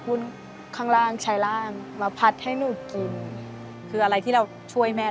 เล่นมานานไหมแม่หรือว่าก็เป็นช่วงแป๊บ